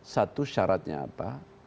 satu syaratnya apa